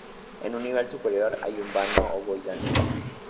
En un nivel superior hay un vano ovoidal.